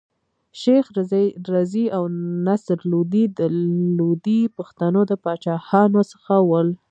شېخ رضي او نصر لودي د لودي پښتنو د پاچاهانو څخه ول.